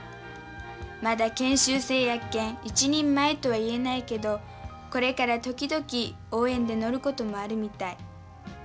まだ研修生やけん一人前とは言えないけどこれから時々応援で乗ることもあるみたい。